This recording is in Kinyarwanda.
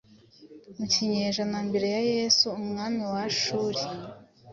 mu kinyejana mbere ya Yesu Umwami wa Ashuri